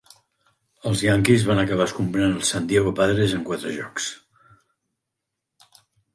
Els Yankees van acabar escombrant els San Diego Padres en quatre jocs.